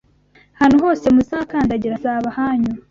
Ahantu hose muzakandagira hazaba ahanyu